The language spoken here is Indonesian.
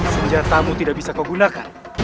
senjata mu tidak bisa kau gunakan